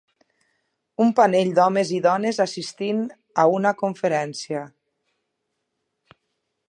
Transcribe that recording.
Un panell d'homes i dones assistint a una conferència.